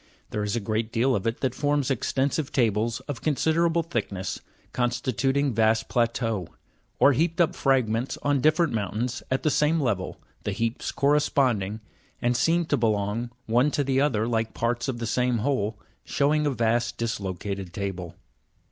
There is a great deal of it that forms extensive tables of considerable thickness, consti tuting vast plateaux ; or heaped up fragments on different moun tains, at the same level, the heaps corresponding, and seem to be long one to the other like parts of the same whole, showing a vast dislocated table.